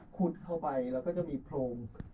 ขุดเข้าไปแล้วก็จะมีพรม